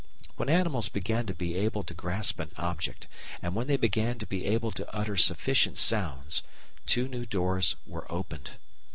When animals began to be able to grasp an object and when they began to be able to utter sufficient sounds, two new doors were opened.